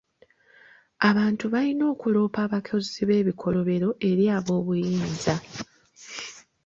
Abantu balina okulopa abakozi b'ebikolobero eri ab'obuyinza.